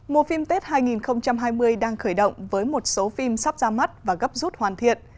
mùa phim tết hai nghìn hai mươi đang khởi động với một số phim sắp ra mắt và gấp rút hoàn thiện